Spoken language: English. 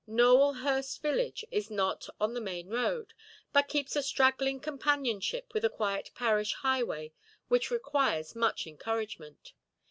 Nowelhurst village is not on the main road, but keeps a straggling companionship with a quiet parish highway which requires much encouragement.